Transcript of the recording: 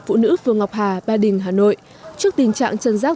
phụ nữ phường ngọc hà ba đình hà nội trước tình trạng trần giác